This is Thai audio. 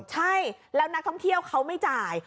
ใช่แล้วนักท่องเที่ยวเขาไม่จ่าย